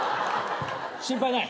心配ない。